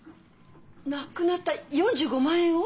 無くなった４５万円を！？